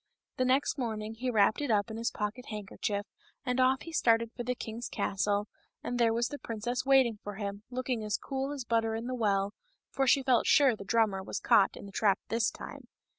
The next morning he wrapped it up in his pocket handkerchief and off he started for the king's castle, and there was the princess waiting for him, looking as cool as butter in the well, for she felt sure the drummer was caught in the trap this time.